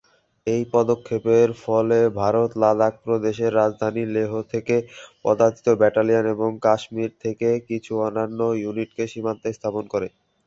এই পদক্ষেপের ফলে ভারত লাদাখ প্রদেশের রাজধানী লেহ থেকে পদাতিক ব্যাটালিয়ন এবং কাশ্মীর থেকে কিছু অন্যান্য ইউনিটকে সীমান্তে স্থাপন করে।